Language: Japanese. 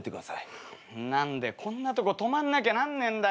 何でこんなとこ泊まんなきゃなんねえんだよ。